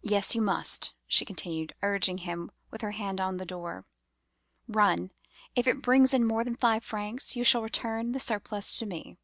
"'Yes, you must!' she continued, urging him with her hand to the door. 'Run! if it brings in more than five francs, you shall return the surplus to me.